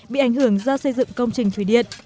bị ảnh hưởng do xây dựng công trình thủy điện